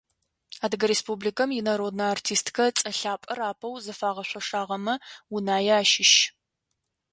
Адыгэ Республикэм инароднэ артисткэ цӀэ лъапӀэр апэу зыфагъэшъошагъэмэ Унае ащыщ.